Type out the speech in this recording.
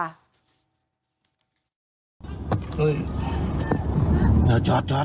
เฮ้ยเดี๋ยวจอดจอด